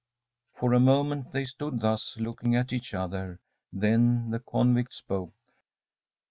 For a moment they stood thus, looking at each other. Then the convict spoke.